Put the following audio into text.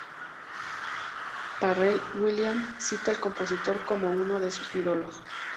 Pharrell Williams cita al compositor como uno de sus ídolos.